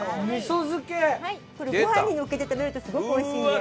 これご飯にのっけて食べるとすごくおいしいんで。